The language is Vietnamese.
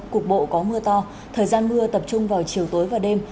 cục bộ có mưa to thời gian mưa tập trung vào chiều tối và đêm